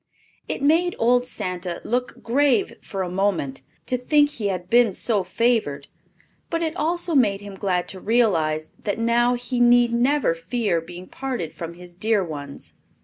It made old Santa look grave for a moment to think he had been so favored; but it also made him glad to realize that now he need never fear being parted from his dear ones.